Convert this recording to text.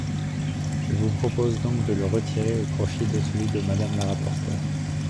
Je vous propose donc de le retirer au profit de celui de Madame la rapporteure.